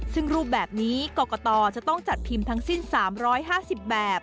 ซึ่งรูปแบบนี้กรกตจะต้องจัดพิมพ์ทั้งสิ้น๓๕๐แบบ